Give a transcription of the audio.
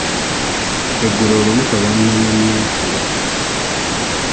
Eggulo olubuto lwannumye nnyo ekiro.